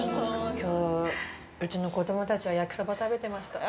きょう、うちの子供たちは焼きそば食べてました。